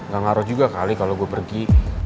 gak ngaruh juga kali kalau gue pergi